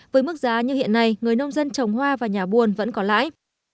với mức giá như hiện nay người nông dân trồng hoa và nhà buồn vẫn có lãi